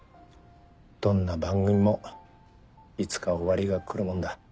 どんな番組もいつか終わりがくるもんだ。